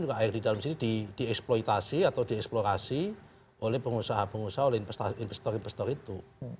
juga air di dalam sini dieksploitasi atau dieksplorasi oleh pengusaha pengusaha oleh investor investor itu